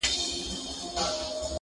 د حق ناره مي کړې ځانته غرغړې لټوم،